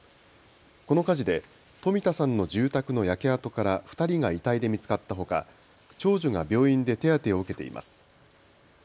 この火事で冨田さんの住宅の焼け跡から２人が遺体で見つかったほか長女が病院で手当てを受けています。